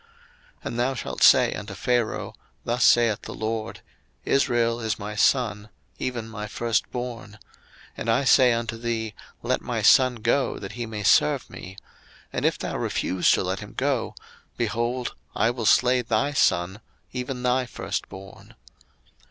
02:004:022 And thou shalt say unto Pharaoh, Thus saith the LORD, Israel is my son, even my firstborn: 02:004:023 And I say unto thee, Let my son go, that he may serve me: and if thou refuse to let him go, behold, I will slay thy son, even thy firstborn.